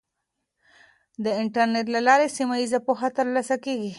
د انټرنیټ له لارې سیمه ییزه پوهه ترلاسه کیږي.